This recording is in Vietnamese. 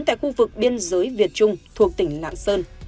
tại khu vực biên giới việt trung thuộc tỉnh lạng sơn